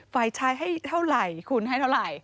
ฝ่ายชายให้เท่าไหร่คุณให้เท่าไหร่